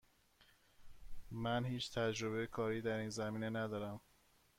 من هیچ تجربه کاری در این زمینه ندارم.